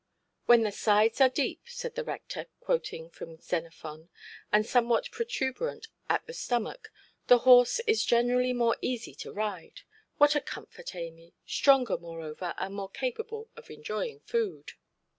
"When the sides are deep", said the rector, quoting from Xenophon, "and somewhat protuberant at the stomach, the horse is generally more easy to ride. What a comfort, Amy! Stronger, moreover, and more capable of enjoying food".